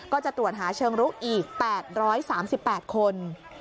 ก็จะตรวจหาเชิงลุกอีก๘๓๘คน